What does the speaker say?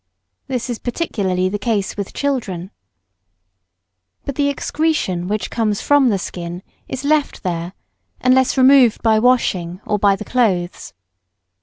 This is particularly the case with children. But the excretion, which comes from the skin, is left there, unless removed by washing or by the clothes.